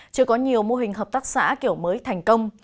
chưa có nhiều mô hình hợp tác xã kiểu mới thành công